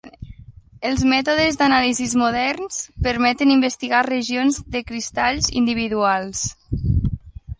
Els mètodes d'anàlisis modern permeten investigar regions de cristalls individuals.